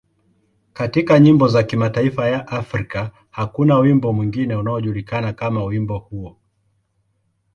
Katika nyimbo za mataifa ya Afrika, hakuna wimbo mwingine unaojulikana kama wimbo huo.